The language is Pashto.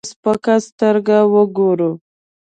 په سپکه سترګه وګورو.